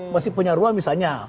masih punya ruang misalnya